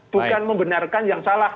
bukan membenarkan yang salah